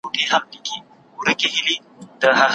د زمري او ګیدړانو غوړ ماښام وو